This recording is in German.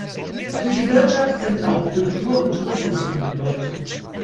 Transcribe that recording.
Für die Wirtschaft sind auch Kultur und Tourismus von Bedeutung.